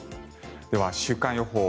では週間予報。